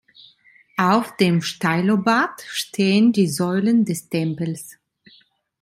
Auf dem Stylobat stehen die Säulen des Tempels.